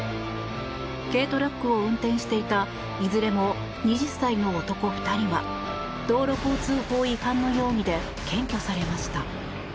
軽トラックを運転していたいずれも２０歳の男２人は道路交通法違反の容疑で検挙されました。